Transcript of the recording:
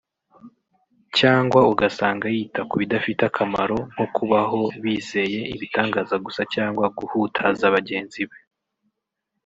cyangwa ugasanga yita ku bidafite akamaro nko kubaho bizeye ibitangaza gusa cyangwa guhutaza bagenzi be